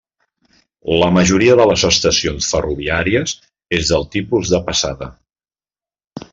La majoria de les estacions ferroviàries és del tipus de passada.